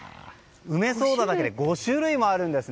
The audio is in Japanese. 梅ソーダだけで５種類もあります。